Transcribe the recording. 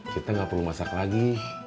kita nggak perlu masak lagi